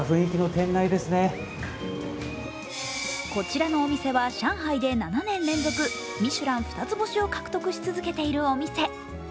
こちらのお店は上海で７年連続ミシュラン２つ星を獲得し続けているお店。